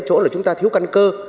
chứ không phải là chúng ta thiếu căn cơ